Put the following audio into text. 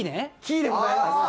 キーでございます。